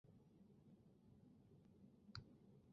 以及医院因性别注记的性别错称。